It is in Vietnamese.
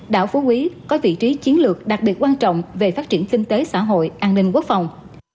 đảo phú quý có vị trí chiến lược đặc biệt quan trọng về phát triển kinh tế xã hội an ninh quốc phòng